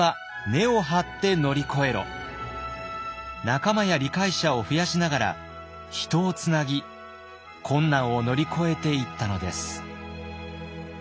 仲間や理解者を増やしながら人をつなぎ困難を乗り越えていったのです。